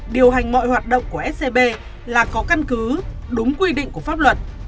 điều hành mọi hoạt động của scb là có căn cứ đúng quy định của pháp luật